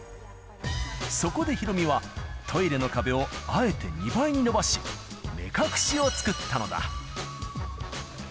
そこでヒロミは、トイレの壁をあえて２倍に伸ばし、目隠しを作ったのだ。